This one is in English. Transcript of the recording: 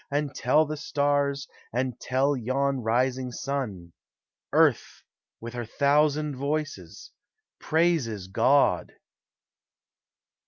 And tell the stars, and tell yon rising sun, Earth with her thousand voices praises God.